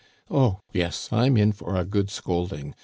Oh, yes, I'm in for a good scolding